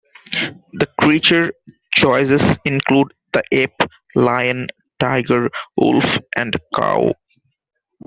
The creature choices include the ape, lion, tiger, wolf, and cow.